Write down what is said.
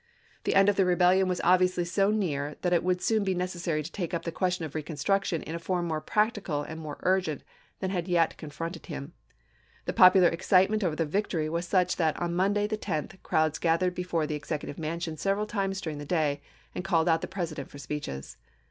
The end of the rebellion was obviously so near that it would soon be necessary to take up the question of reconstruction in a form more practical and more urgent than had yet confronted him. The popular excitement over the victory was such that on Mon day, the 10th, crowds gathered before the Executive Mansion several times during the day, and called out the President for speeches.